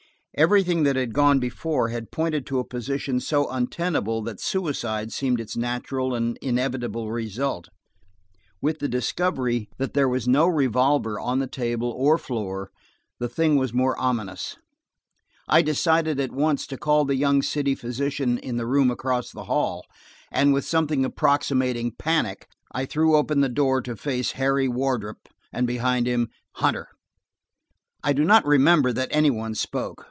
Everything that had gone before had pointed to a position so untenable that suicide seemed its natural and inevitable result. With the discovery that there was no revolver on the table or floor, the thing was more ominous. I decided at once to call the young city physician in the room across the hall, and with something approximating panic, I threw open the door–to face Harry Wardrop, and behind him, Hunter. I do not remember that any one spoke.